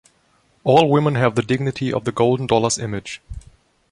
All women have the dignity of the Golden Dollar's image.